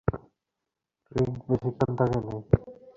রিক বেশীক্ষণ থাকেনি।